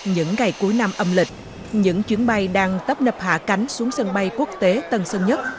những ngày cuối năm âm lịch những chuyến bay đang tấp nập hạ cánh xuống sân bay quốc tế tân sơn nhất